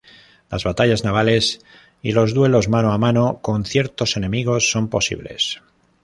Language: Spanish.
Las Batallas navales y los duelos mano-a-mano con ciertos enemigos son posibles.